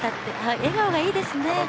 笑顔がいいですね。